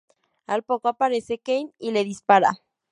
Al poco aparece Kane y le dispara.